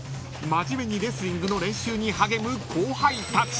［真面目にレスリングの練習に励む後輩たち］